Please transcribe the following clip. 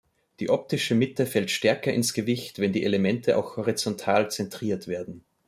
Die optische Mitte fällt stärker ins Gewicht, wenn die Elemente auch horizontal zentriert werden.